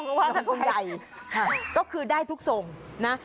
รองทรงใหญ่ก็คือได้ทุกทรงนะ